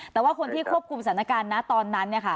แต่ว่าคนที่ควบคุมสถานการณ์นะตอนนั้นเนี่ยค่ะ